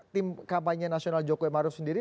tim kampanye nasional jokowi maruf sendiri